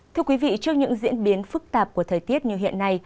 thưa quý vị trước những diễn biến phức tạp của thời tiết như hiện nay